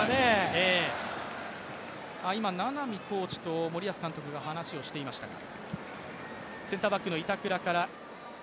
名波コーチと森保監督が話をしていましたか。